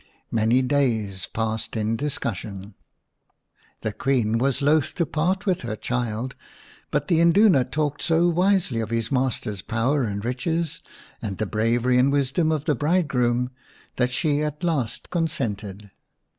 Many days passed in discussion./ The Queen was loth to part with her child, but the Induna talked so wisely of his master's power and riches, and the bravery and wisdom of the bridegroom, thatfshe at last consented.